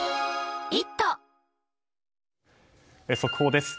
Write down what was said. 速報です。